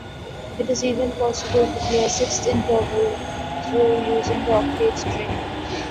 It is even possible to play a sixth interval, through using the octave string.